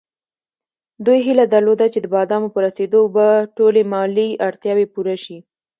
دوی هیله درلوده چې د بادامو په رسېدو به ټولې مالي اړتیاوې پوره شي.